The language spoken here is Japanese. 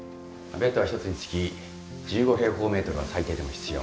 ベッドは一つにつき１５平方メートルは最低でも必要。